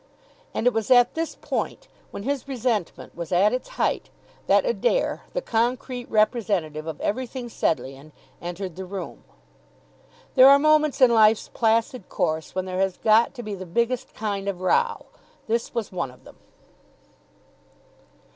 And it was at this point, when his resentment was at its height, that Adair, the concrete representative of everything Sedleighan, entered the room. There are moments in life's placid course when there has got to be the biggest kind of row. This was one of them.